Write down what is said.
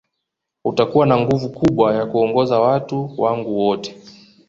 Utakuwa na nguvu kubwa ya kuongoza watu wangu wote